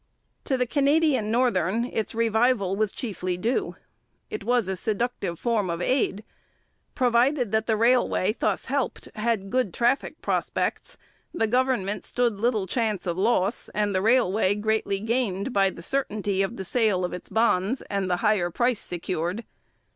To the Canadian Northern its revival was chiefly due. It was a seductive form of aid: provided that the railway thus helped had good traffic prospects, the government stood little chance of loss and the railway greatly gained by the certainty of the sale of its bonds and the higher price secured.